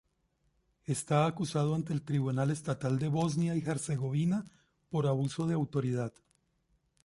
Está acusado ante el Tribunal Estatal de Bosnia y Herzegovina por abuso de autoridad.